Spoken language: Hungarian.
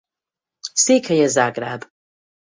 Székhelye Zágráb.